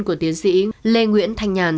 của tiến sĩ lê nguyễn thành nhàn